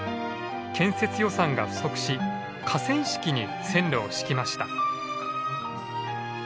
建設予算が不足し河川敷に線路を敷きました。